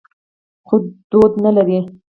خو دود نه لري.